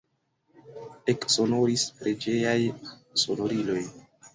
Eksonoris preĝejaj sonoriloj.